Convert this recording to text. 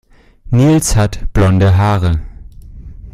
Nils hat blonde Haare.